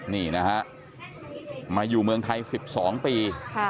นี่นะฮะมาอยู่เมืองไทย๑๒ปี